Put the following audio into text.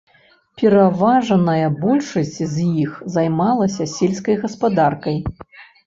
Пераважная большасць з іх займалася сельскай гаспадаркай.